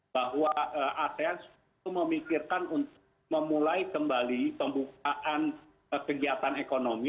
bahwa asean itu memikirkan untuk memulai kembali pembukaan kegiatan ekonomi